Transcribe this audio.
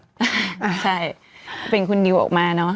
ใช่เป็นคุณนิวออกมาเนอะ